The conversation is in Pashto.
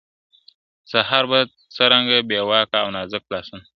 سهار به څرنګه بې واکه اونازک لاسونه ..